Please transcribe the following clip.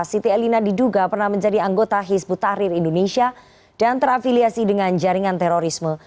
siti elina diduga pernah menjadi anggota hizbut tahrir indonesia dan terafiliasi dengan jaringan terorisme